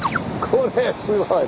これすごい。